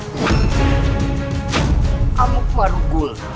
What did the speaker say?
kamu kemaru gul